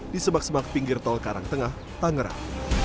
di semak semak pinggir tol karangtengah tangerang